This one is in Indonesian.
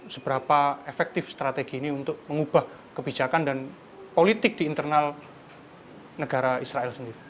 seberapa efektif strategi ini untuk mengubah kebijakan dan politik di internal negara israel sendiri